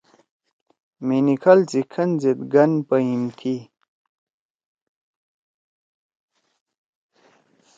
مینکھال سی کھن زید گن پہیِم تھی۔